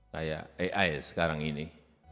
seperti ai sekarang ini